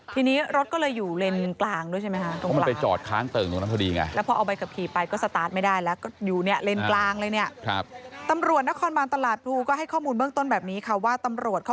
ทีนี้รถก็เลยอยู่เลนกลางด้วยใช่ไหมคะ